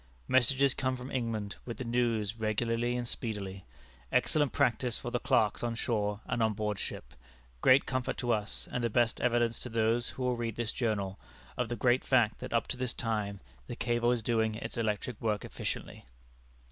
Messages come from England, with the news, regularly and speedily excellent practice for the clerks on shore and on board ship great comfort to us, and the best evidence to those who will read this journal, of the great fact that, up to this time, the cable is doing its electric work efficiently."